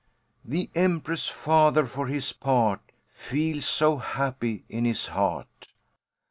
The Empress's father, for his part, Feels so happy in his heart.